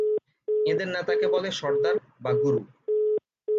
এঁদের নেতাকে বলে "সরদার" বা "গুরু"।